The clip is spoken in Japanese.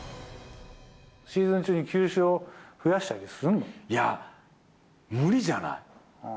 シーズン中に球種を増やしたいや、無理じゃない？